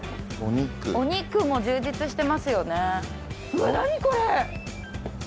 お肉も充実してますよね。